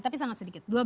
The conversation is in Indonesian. tapi sangat sedikit